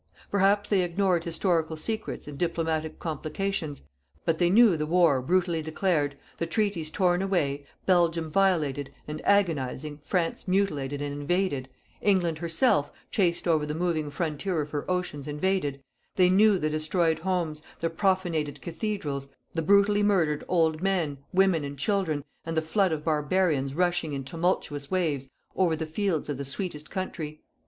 _ "_Perhaps they ignored historical secrets and diplomatic complications, but they knew the war brutally declared, the treaties torn away, Belgium violated, and agonizing, France mutilated and invaded, England, herself, chased over the moving frontier of her oceans invaded; they knew the destroyed homes, the profanated Cathedrals, the brutally murdered old men, women and children, and the flood of barbarians rushing in tumultuous waves over the fields of the sweetest country.